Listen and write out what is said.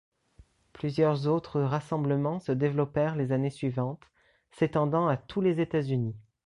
Plusieurs autres rassemblements se développèrent les années suivantes, s'étendant à tous les États-Unis.